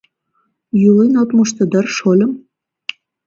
Юлен от мошто дыр, шольым?